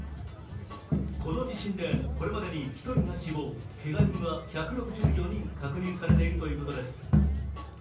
この地震で、これまでに１人が死亡、けが人は１６４人確認されているということです。